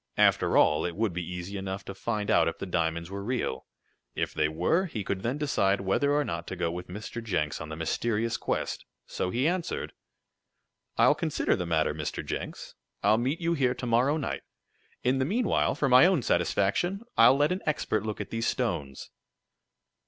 After all it would be easy enough to find out if the diamonds were real. If they were, he could then decide whether or not to go with Mr. Jenks on the mysterious quest. So he answered: "I'll consider the matter, Mr. Jenks. I'll meet you here to morrow night. In the meanwhile, for my own satisfaction, I'll let an expert look at these stones."